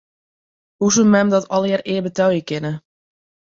Hoe soe mem dat allegearre ea betelje kinne?